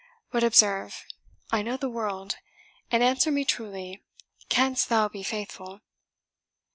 "But observe, I know the world and answer me truly, canst thou be faithful?"